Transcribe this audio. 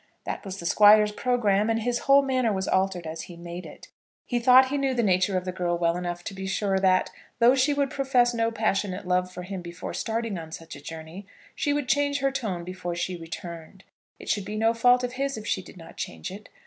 That was the Squire's programme, and his whole manner was altered as he made it. He thought he knew the nature of the girl well enough to be sure that, though she would profess no passionate love for him before starting on such a journey, she would change her tone before she returned. It should be no fault of his if she did not change it.